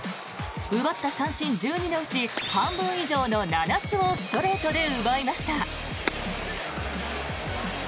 奪った三振１２のうち半分以上の７つをストレートで奪いました。